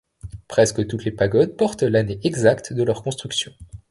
Presque toutes les pagodes portent l'année exacte de leur construction.